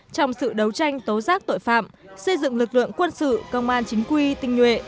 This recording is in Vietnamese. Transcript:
trong sự đấu tranh tố giác tội phạm xây dựng lực lượng quân sự công an chính quy tinh nhuệ